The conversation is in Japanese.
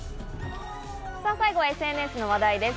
最後はＳＮＳの話題です。